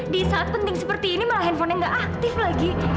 di saat penting seperti ini malah handphonenya nggak aktif lagi